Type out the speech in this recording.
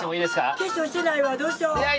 化粧してないわ、どうしよう。